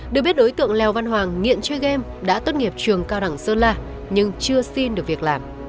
được biết đối tượng leo văn hoàng nghiện chơi game đã tốt nghiệp trường cao đẳng sơn la nhưng chưa xin được việc làm